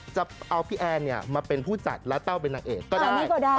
จะเอาพี่แอนมาเป็นผู้จัดและเต้าเป็นนางเอกก็ได้